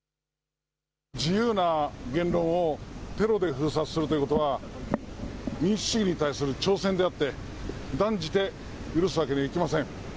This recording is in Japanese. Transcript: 自由な言論をテロで封殺するということは民主主義に対する挑戦であって断じて許すわけにはいきません。